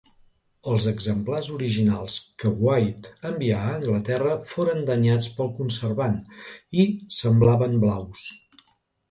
Els exemplars originals que White envià a Anglaterra foren danyats pel conservant i semblaven blaus.